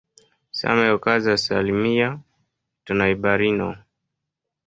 Same okazas al mia litonajbarino.